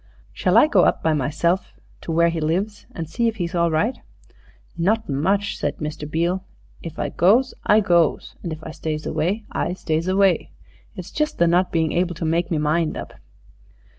"Shall I go up by myself to where he lives and see if he's all right?" "Not much," said Mr. Beale; "if I goes I goes, and if I stays away I stays away. It's just the not being able to make me mind up."